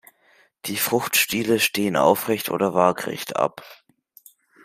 Die Fruchtstiele stehen aufrecht oder waagerecht ab.